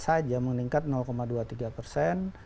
saja meningkat dua puluh tiga persen